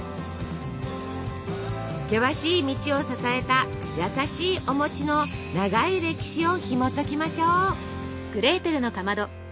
険しい道を支えた優しいおの長い歴史をひもときましょう。